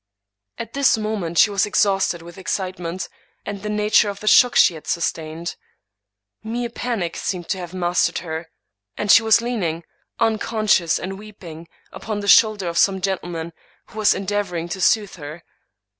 At this moment she was exhausted with excitement, and the nature of the shock she had sustained. Mere panic seemed to have mastered her; and she was leaning, unconscious and weeping, upon the shoulder of some gentleman, who was endeavoring to soothe her.